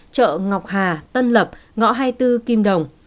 chợ ngọc hà tân lập ngõ hai mươi bốn kim đồng